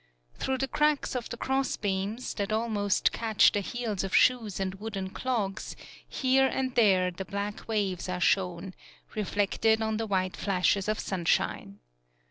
Through the cracks of the cross beams, that al most catch the heels of shoes and wooden clogs, here and there the black waves are shown, reflected on the white flashes of sunshine.